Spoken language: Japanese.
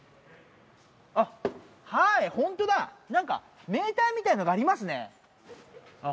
あっはいホントだ何かメーターみたいなのがありますねあっ